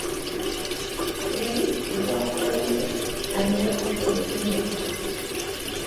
C'est lui qui voit en premier un lien entre les deux meurtres.